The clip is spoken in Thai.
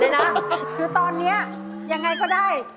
คือตอนนี้ยังไงก็ได้